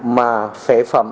mà phế phẩm